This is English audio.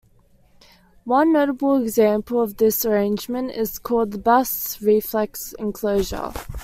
One notable example of this arrangement is called the bass reflex enclosure.